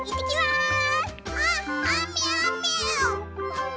うん。